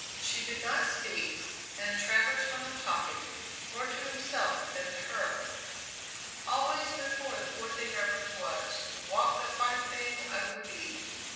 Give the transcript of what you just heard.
She did not speak, and Travers went on talking, more to himself than to her. "Always before the poor thing I really was, walked the fine thing I would be.